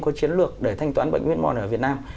có chiến lược để thanh toán bệnh huyết mò này ở việt nam